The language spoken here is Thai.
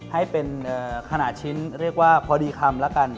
ให้เป็นขนาดชิ้นเรียกว่าพอดีคำแล้วกัน